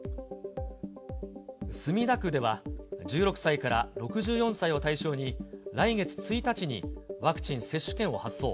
墨田区では１６歳から６４歳を対象に、来月１日にワクチン接種券を発送。